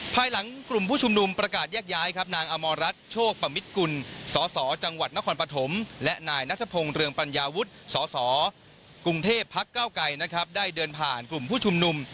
ภายหลังกลุ่มผู้ชุมนุมประกาศแยกย้ายครับนางอมรรัฐโชคปมิตกุลสอสอจังหวัดนครปฐมและนายนัทพงศ์เรืองปัญญาวุฒิสสกรุงเทพพักเก้าไกรนะครับได้เดินผ่านกลุ่มผู้ชุมนุม